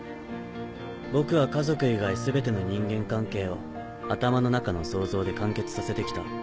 僕は家族以外全ての人間関係を頭の中の想像で完結させて来た。